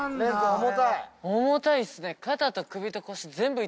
重たいっすね。